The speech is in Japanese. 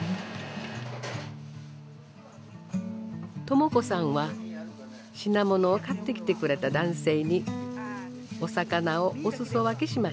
朝子さんは品物を買ってきてくれた男性にお魚をお裾分けしました。